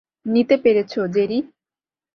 নিতে পেরেছ, জেরি?